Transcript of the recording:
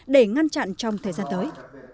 để ngăn chặn trong thời gian tới